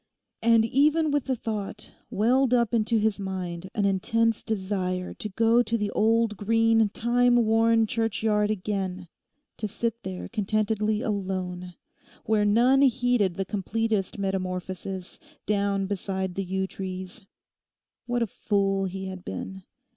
And even with the thought welled up into his mind an intense desire to go to the old green time worn churchyard again; to sit there contentedly alone, where none heeded the completest metamorphosis, down beside the yew trees. What a fool he had been.